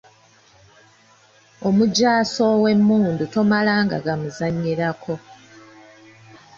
Omujaasi ow’emmundu tomalanga gamuzannyirako.